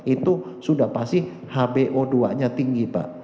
itu sudah pasti hbo dua nya tinggi pak